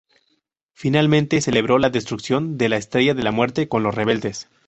Finalmente celebró la destrucción de la Estrella de la Muerte con los rebeldes.